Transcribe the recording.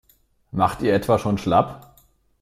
Macht ihr etwa schon schlapp?